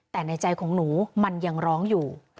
แต่ในใจของหนูมันยังร้องอยู่